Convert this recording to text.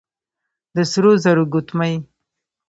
د سرو زرو ګوتمۍ،